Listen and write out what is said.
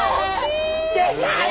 でかい！